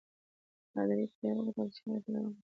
پادري ته یې وکتل او چغه يې پرې وکړل.